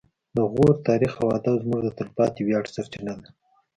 د غور تاریخ او ادب زموږ د تلپاتې ویاړ سرچینه ده